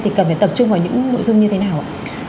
thì cần phải tập trung vào những nội dung như thế nào ạ